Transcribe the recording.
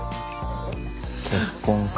結婚か。